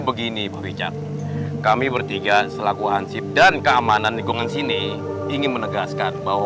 begini bu rica kami bertiga selaku hansip dan keamanan lingkungan sini ingin menegaskan bahwa